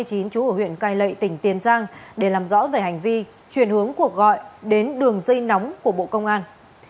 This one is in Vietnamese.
trú ở huyện cai lệ tỉnh tiền giang để làm rõ về hành vi chuyển hướng cuộc gọi đến đường dây nóng của bộ công an